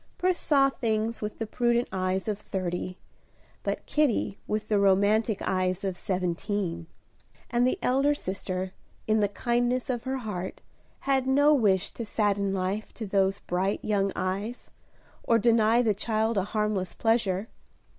Pris saw things with the prudent eyes of thirty, but Kitty with the romantic eyes of seventeen; and the elder sister, in the kindness of her heart, had no wish to sadden life to those bright young eyes, or deny the child a harmless pleasure.